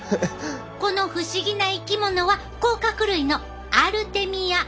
この不思議な生き物は甲殻類のアルテミア。